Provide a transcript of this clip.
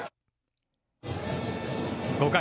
５回。